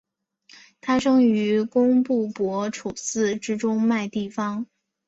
他生于工布博楚寺之中麦地方。